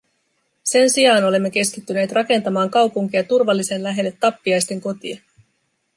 Sen sijaan olemme keskittyneet rakentamaan kaupunkia turvallisen lähelle tappiaisten kotia.